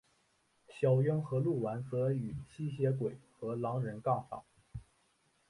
小樱和鹿丸则与吸血鬼和狼人杠上。